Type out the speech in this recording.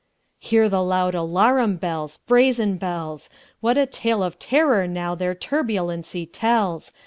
Hear the loud alarum bells, Brazen bells! What a tale of terror, now, their turbulency tells!